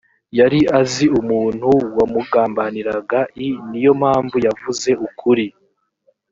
yari azi umuntu wamugambaniraga i ni yo mpamvu yavuze ukuri